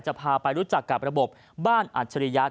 จะพาไปรู้จักกับระบบบ้านอัศรียักษ์